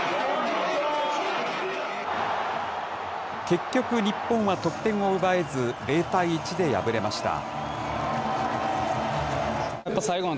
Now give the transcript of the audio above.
結局、日本は得点を奪えず、０対１で敗れました。